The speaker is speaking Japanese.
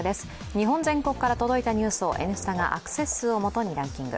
日本全国から届いたニュースを「Ｎスタ」がアクセス数を基にランキング。